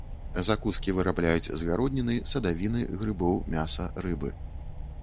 Закускі вырабляюць з гародніны, садавіны, грыбоў, мяса, рыбы.